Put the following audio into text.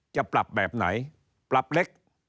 จะปรับแบบไหนปรับเล็ก